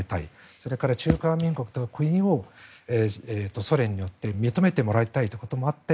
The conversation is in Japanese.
それから中華民国という国をソ連によって認めてもらいたいということもあって